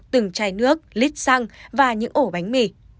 từng chai nước lít xăng và những ổ bánh mì